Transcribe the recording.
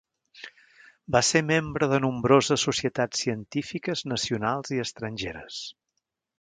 Va ser membre de nombroses societats científiques nacionals i estrangeres.